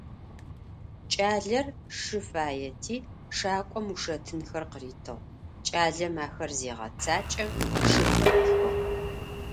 Кӏалэр шы фаети, шакӏом ушэтынхэр къыритыгъ, кӏалэм ахэр зегъэцакӏэм шыр къыӏихыгъ.